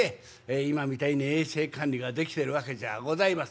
今みたいに衛生管理ができてるわけじゃあございません。